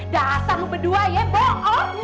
dasar lo berdua ya bohong